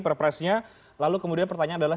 perpresnya lalu kemudian pertanyaan adalah